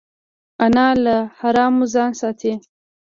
انا له حرامو ځان ساتي